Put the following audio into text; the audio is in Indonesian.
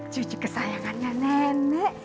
cucu kesayangannya nenek